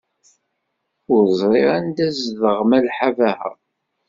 Ur ẓriɣ anda ay tezdeɣ Malḥa Baḥa.